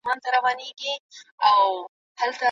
نوي روغتونونه او ښوونځي جوړ سوي دي.